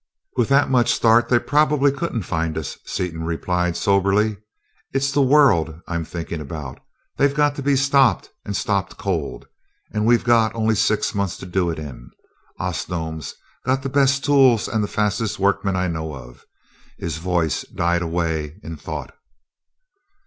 "With that much start they probably couldn't find us," Seaton replied soberly. "It's the world I'm thinking about. They've got to be stopped, and stopped cold and we've got only six months to do it in.... Osnome's got the best tools and the fastest workmen I know of...." his voice died away in thought.